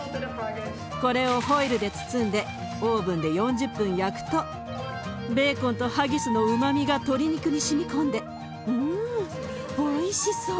これをホイルで包んでオーブンで４０分焼くとベーコンとハギスのうまみが鶏肉にしみ込んでうんおいしそう！